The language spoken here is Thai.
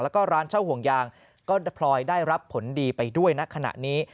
แล้วก็ร้านเช่าห่วงยางก็พลอยได้รับผลดีไปด้วยณขณะนี้